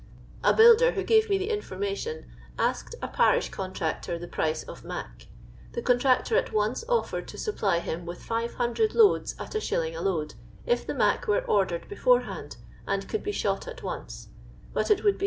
A builder, who gave me the inform ation, nsked a parish contractor the price of " mac." The contractor at once offered to supply him with 500 loads at \s, a load, if the "mac" were ordered beforehand, and could be shot at once; but it would be 6(2.